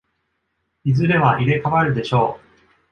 いずれは入れ替わるでしょう。